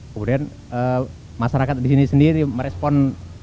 kemudian masyarakat di sini sendiri merespon